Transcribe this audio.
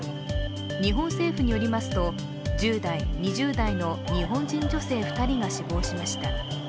日本政府によりますと、１０代、２０代の日本人女性２人が死亡しました。